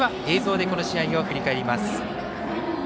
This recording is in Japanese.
映像でこの試合を振り返ります。